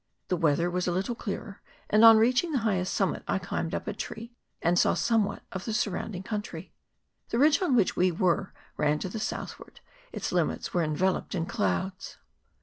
The weather was a little clearer, and on reaching the highest summit I climbed up a tree and saw somewhat of the sur rounding country. The ridge on which we were ran to the southward ; its limits were enveloped in clouds.